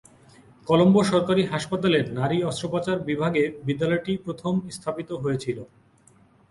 কলম্বো সরকারি হাসপাতালের নারী অস্ত্রোপচার বিভাগে বিদ্যালয়টি প্রথম স্থাপিত হয়েছিলো।